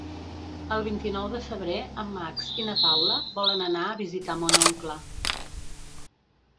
El vint-i-nou de febrer en Max i na Paula volen anar a visitar mon oncle.